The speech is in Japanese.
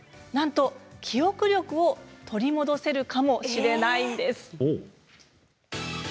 なんと記憶力を取り戻せるかもしれないんです。